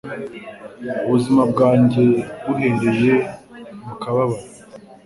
Ubuzima bwanjye buhereye mu kababaro